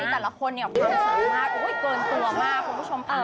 แต่ละคนเนี่ยความสามารถเกินตัวมากคุณผู้ชม